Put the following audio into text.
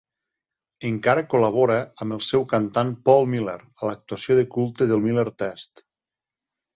Encara col·labora amb el seu cantant Paul Miller a la actuació de culte del Miller Test.